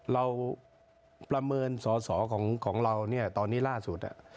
เราประเมินสอของเราตอนนี้ล่าสุด